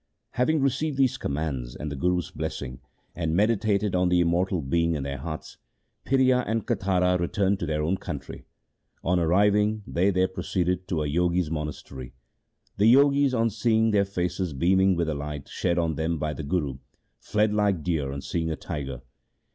Having received these commands and the Guru's blessing, and meditated on the Immortal Being in their hearts, Phiria and Katara returned to their own country. On arriving there they proceeded to a Jogis' monastery. The Jogis, on seeing their faces beaming with the light shed on them by the Guru, fled like deer on seeing a tiger.